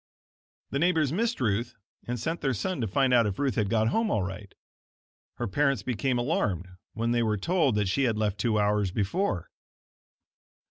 The neighbors missed Ruth and sent their son to find out if Ruth had got home all right. Her parents became alarmed when they were told that she had left two hours before.